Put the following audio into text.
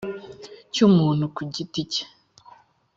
cy’umuntu ku giti cye